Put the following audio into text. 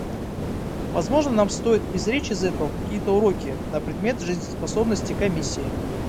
Возможно, нам стоит извлечь из этого какие-то уроки на предмет жизнеспособности Комиссии.